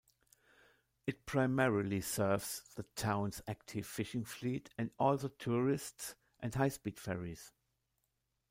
It primarily serves the town's active fishing fleet, and also tourists and high-speed ferries.